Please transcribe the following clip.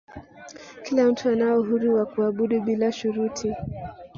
kila mtu anao uhuru wa kuabudu bila shuruti